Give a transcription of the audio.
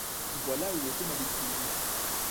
Voilà où était ma bêtise.